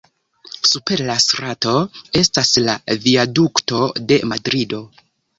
Super la strato estas la Viadukto de Madrido.